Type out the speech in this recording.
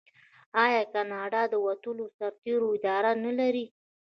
آیا کاناډا د وتلو سرتیرو اداره نلري؟